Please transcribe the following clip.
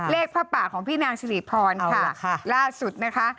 ผ้าป่าของพี่นางสิริพรค่ะล่าสุดนะคะ